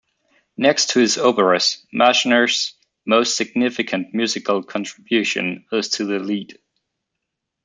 Next to his operas, Marschner's most significant musical contribution is to the Lied.